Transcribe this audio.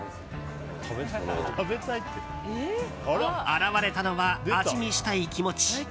現れたのは味見したい気持ち。